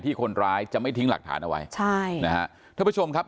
คนร้ายจะไม่ทิ้งหลักฐานเอาไว้ใช่นะฮะท่านผู้ชมครับ